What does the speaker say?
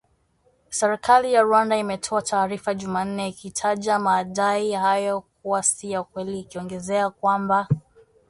Serikali ya Rwanda imetoa taarifa jumanne ikitaja madai hayo kuwa si ya kweli ikiongezea kwamba